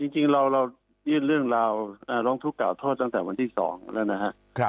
จริงเรายื่นเรื่องราวร้องทุกข่าโทษตั้งแต่วันที่๒แล้วนะครับ